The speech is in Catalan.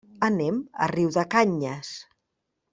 Anem a Riudecanyes.